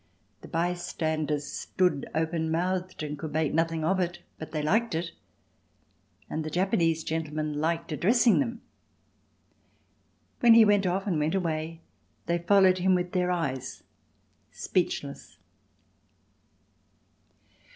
The bystanders stood open mouthed and could make nothing of it, but they liked it, and the Japanese gentleman liked addressing them. When he left off and went away they followed him with their eyes, speechless.